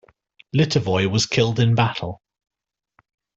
Litovoi was killed in battle.